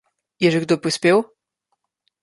Je že kdo prispel?